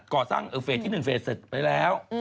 เข้าสร้างฟีดที่หนึ่งเฟสเสร็จไปแล้ว